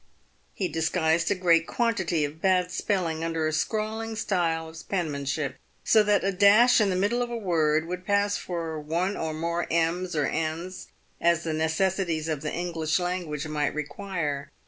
He disguised a great quantity of bad spell ing under a scrawling style of penmanship, so that a dash in the middle of a word would pass for one or more m's or n's, as the ne cessities of the English language might require.